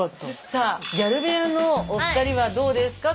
さあギャル部屋のお二人はどうですか？